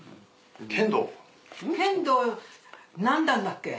剣道何段だっけ？